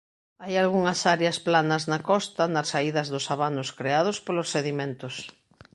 Hai algunhas áreas planas na costa nas saídas dos abanos creados polos sedimentos.